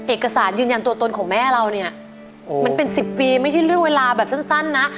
เอกสารยืนยันตัวตนของแม่เราเนี่ยมันเป็น๑๐ปีไม่ใช่เรื่องเวลาแบบสั้นนะ